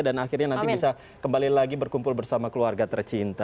dan akhirnya nanti bisa kembali lagi berkumpul bersama keluarga tercinta